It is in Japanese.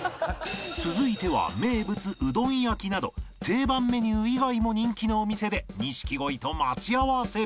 続いては名物うどん焼など定番メニュー以外も人気のお店で錦鯉と待ち合わせ